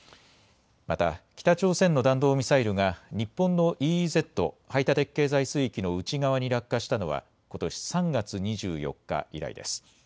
また北朝鮮の弾道ミサイルが日本のＥＥＺ・排他的経済水域の内側に落下したのはことし３月２４日以来です。